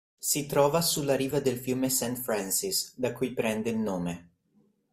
Si trova sulla riva del fiume Saint Francis, da cui prende il nome.